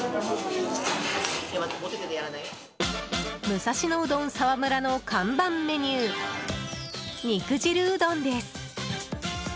武蔵野うどん澤村の看板メニュー、肉汁うどんです。